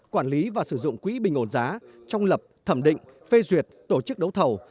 quản lý và sử dụng quỹ bình ổn giá trong lập thẩm định phê duyệt tổ chức đấu thầu